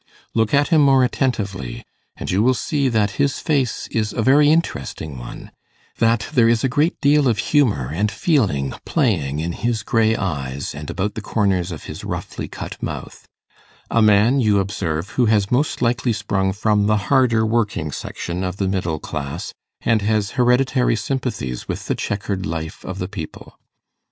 Look at him more attentively, and you will see that his face is a very interesting one that there is a great deal of humour and feeling playing in his grey eyes, and about the corners of his roughly cut mouth: a man, you observe, who has most likely sprung from the harder working section of the middle class, and has hereditary sympathies with the checkered life of the people.